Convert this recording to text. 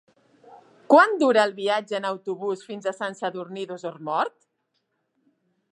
Quant dura el viatge en autobús fins a Sant Sadurní d'Osormort?